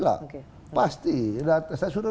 iya kooperatif pastilah